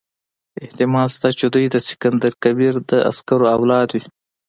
احتمال شته چې دوی د سکندر کبیر د عسکرو اولاد وي.